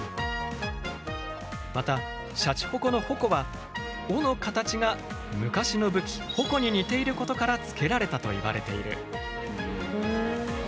またシャチホコのホコは尾の形が昔の武器鉾に似ていることから付けられたといわれている。